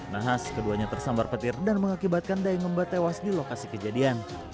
nahas keduanya tersambar petir dan mengakibatkan daeng ngembat tewas di lokasi kejadian